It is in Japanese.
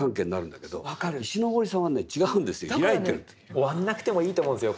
終わんなくてもいいと思うんですよ